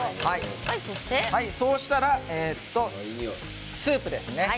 そうしたらスープですね。